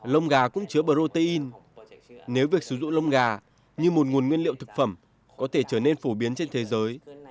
lông gà cũng chứa protein nếu việc sử dụng lông gà như một nguồn nguyên liệu thực phẩm có thể trở nên phổ biến trên thế giới